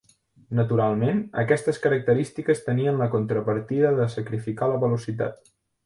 Naturalment, aquestes característiques tenien la contrapartida de sacrificar la velocitat.